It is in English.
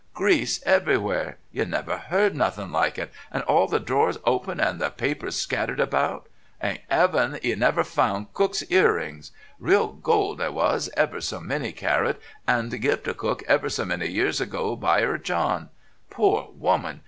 Grease everywhere, you never see nothin' like it, and all the drawers open and the papers scattered about. Thank 'Eaven 'e never found Cook's earrings. Real gold they was, ever so many carat and give to Cook ever so many years ago by 'er John. Poor woman!